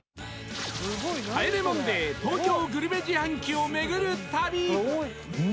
『帰れマンデー』東京グルメ自販機を巡る旅